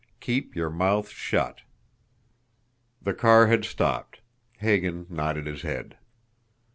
keep your mouth shut!" The car had stopped. Hagan nodded his head.